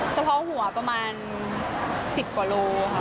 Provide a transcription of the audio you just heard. เฉพาะหัวประมาณ๑๐กว่าโลค่ะ